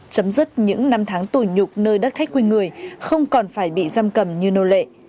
chấm dứt những năm tháng tù nhục nơi đất khách quê người không còn phải bị giam cầm như nô lệ